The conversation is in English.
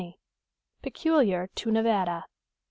PECULIAR TO NEVADA.